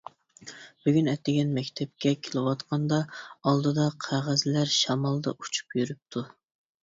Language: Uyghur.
بۈگۈن ئەتىگەن مەكتەپكە كېلىۋاتقاندا، ئالدىدا قەغەزلەر شامالدا ئۇچۇپ يۈرۈپتۇ.